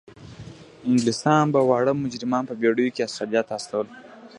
انګلستان به واړه مجرمان په بیړیو کې استرالیا ته استول.